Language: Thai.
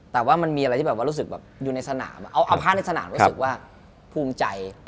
แต่มีอะไรรู้สึกอยู่ในสนามเอาพาทในสนามรู้สึกว่าภูมิใจ